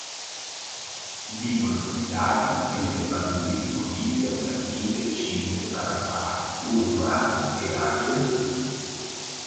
Vivono nei laghi e nelle paludi di Bolivia, Brasile, Cile, Paraguay, Uruguay e Argentina.